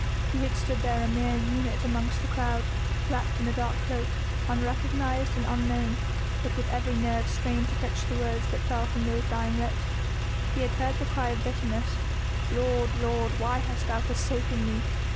He had stood there a mere unit amongst the crowd, wrapped in a dark cloak, unrecognised and unknown, but with every nerve strained to catch the words that fell from those dying lips. He had heard the cry of bitterness: "Lord! Lord! why hast Thou forsaken Me?"